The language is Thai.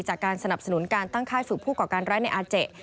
จากการสนับสนุนการตั้งค่ายฝึกผู้ก่อการร้ายในอาเจ